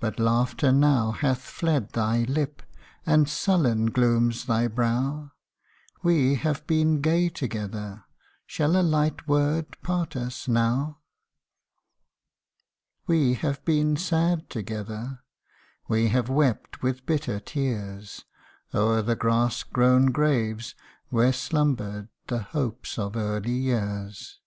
But laughter now hath fled thy lip, And sullen glooms thy brow ; We have been gay together Shall a light word part us now ? 216 WE HAVE BEEN FRIENDS TOGETHER. We have been sad together, We have wept with bitter tears, O'er the grass grown graves, where slumbered The hopes of early years.